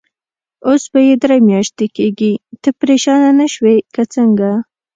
اوس به یې درې میاشتې کېږي، ته پرېشانه نه شوې که څنګه؟